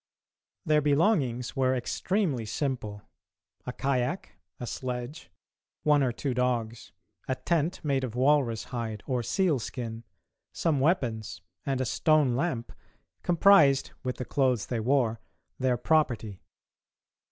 Their belongings were extremely simple. A kayak, a sledge, one or two dogs, a tent made of walrus hide or seal skin, some weapons, and a stone lamp, comprised, with the clothes they wore, their property.